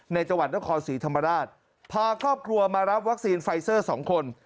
จังหวัดนครศรีธรรมราชพาครอบครัวมารับวัคซีนไฟเซอร์๒คน